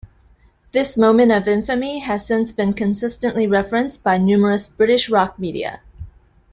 This moment of infamy has since been consistently referenced by numerous British rock media.